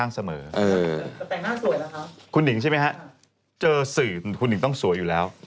แต่น่าสวยนะคะคุณหนิงใช่ไหมฮะเจอสื่อคุณหิงต้องสวยอยู่แล้ว